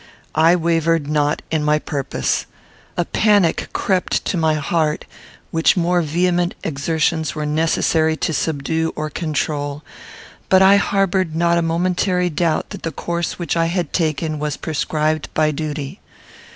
I wavered not in my purpose. A panic crept to my heart, which more vehement exertions were necessary to subdue or control; but I harboured not a momentary doubt that the course which I had taken was prescribed by duty.